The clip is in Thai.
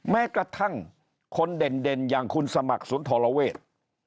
แม้กระทั่งคนเด่นอย่างคุณสมัครสุนทรเวท